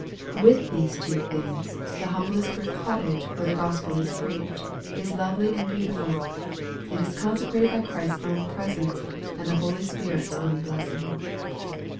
With these two things, the humblest brick cot tage where the Gospel is preached, is lovely and beauti ful. It is consecrated by Christ's own presence and the Holy Spirit's own blessing.